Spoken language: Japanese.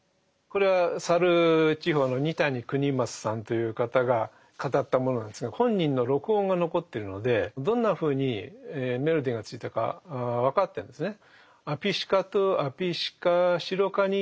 これは沙流地方の二谷国松さんという方が語ったものなんですが本人の録音が残ってるのでどんなふうにメロディーがついたか分かってるんですね。